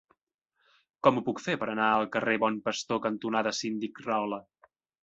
Com ho puc fer per anar al carrer Bon Pastor cantonada Síndic Rahola?